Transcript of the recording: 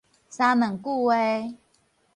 三兩句話